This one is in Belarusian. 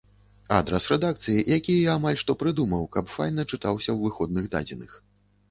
Адрас рэдакцыі, які я амаль што прыдумаў, каб файна чытаўся ў выходных дадзеных.